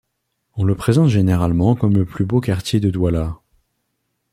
On le présente généralement comme le plus beau quartier de Douala.